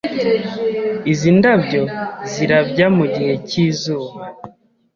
Izi ndabyo zirabya mugihe cyizuba.